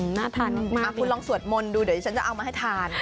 น่าทานมากคุณลองสวดมนต์ดูเดี๋ยวฉันจะเอามาให้ทาน